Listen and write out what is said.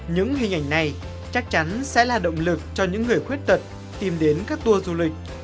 những hình ảnh này chắc chắn sẽ là động lực cho những người khuyết tật tìm đến các tour du lịch